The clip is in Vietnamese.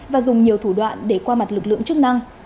và dùng nhiều thủ đoạn để qua mặt lực lượng chức năng